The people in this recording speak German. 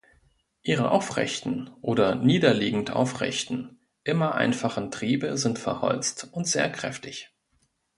Ihre aufrechten oder niederliegend-aufrechten, immer einfachen Triebe sind verholzt und sehr kräftig.